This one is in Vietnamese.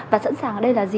và sẵn sàng ở đây là gì